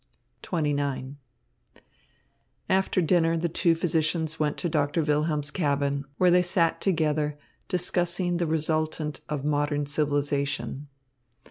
XXIX After dinner the two physicians went to Doctor Wilhelm's cabin, where they sat together discussing the resultant of modern civilisation.